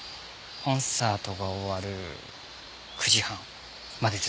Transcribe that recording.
コンサートが終わる９時半までずっと。